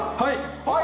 はい。